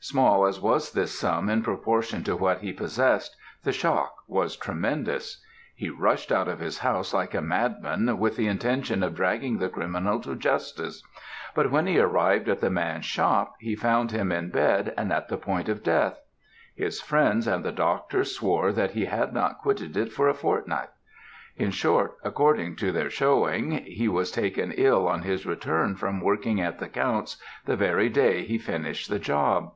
Small as was this sum in proportion to what he possessed, the shock was tremendous; he rushed out of his house like a madman with the intention of dragging the criminal to justice, but when he arrived at the man's shop he found him in bed and at the point of death. His friends and the doctor swore that he had not quitted it for a fortnight; in short, according to their shewing, he was taken ill on his return from working at the Count's, the very day he finished the job.